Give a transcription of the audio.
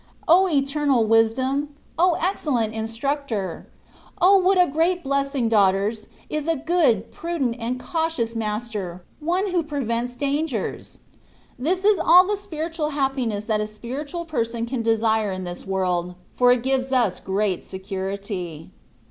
O Eternal Wis dom, O excellent Instructor ! O ! what a great blessing, daughters, is a good, prudent, and cautious Master, one who prevents dangers ! This is all the spiritual happiness that a spiritual person can desire in this world, for it gives us great security.